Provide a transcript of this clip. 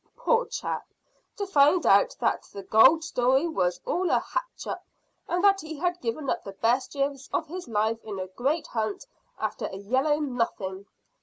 "Poor chap, to find out that the gold story was all a hatch up, and that he had given up the best years of his life in a great hunt after a yellow nothing.